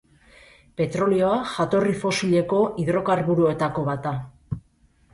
Petrolioa jatorri fosileko hidrokarburoetako bat da.